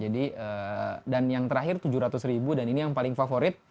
jadi dan yang terakhir tujuh ratus dan ini yang paling favorit